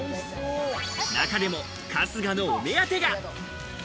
中でも、春日のお目当てが。